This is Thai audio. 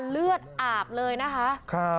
เลือดอาบเลยนะคะ